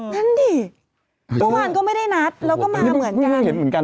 นั่นดิทุกวันก็ไม่ได้นัดแล้วก็มาเหมือนกัน